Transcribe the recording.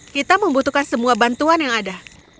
kita membutuhkan semua bantuan yang ada